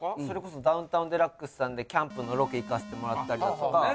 それこそ『ダウンタウンＤＸ』さんでキャンプのロケ行かせてもらったりだとか。